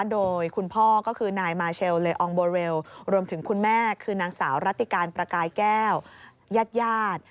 โดยคุณพ่อก็คือนายมาเชลเลอองโบเรลรวมถึงคุณแม่คือนางสาวรัติการประกายแก้วยาด